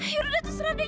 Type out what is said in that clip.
ya sudah terserah deh